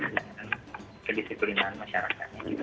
dan kedisiplinan mas habib